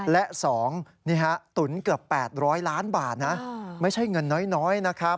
และ๒นี่ฮะตุ๋นเกือบ๘๐๐ล้านบาทนะไม่ใช่เงินน้อยนะครับ